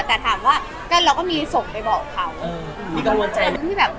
แต่ถามว่าเราก็มีส่งไปบอกเขามีกังวลใจ